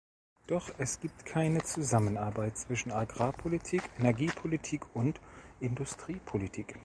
Doch es gibt keine Zusammenarbeit zwischen Agrarpolitik, Energiepolitik und Industriepolitik.